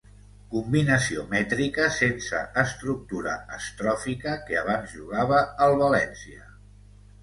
Combinació mètrica sense estructura estròfica que abans jugava al València.